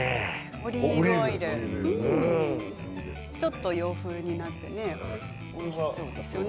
オリーブオイルちょっと洋風になっておいしそうですね。